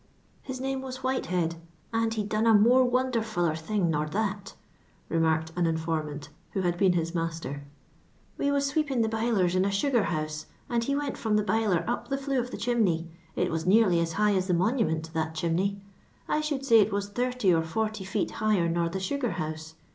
" His name was Whitehead, and he done a more wonderfuUer thing nor that," remarked an informftiit, who had been his master. We was sweeping the bilers in a sugar house, and he went firom the biler up the flue of the chimney, it was nearly as high as the Monument, that chimiH>y; I should say it was 30 or ^0 feet higher nor the sugar home.